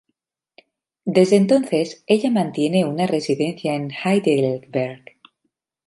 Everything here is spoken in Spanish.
Desde entonces ella mantiene una residencia en Heidelberg.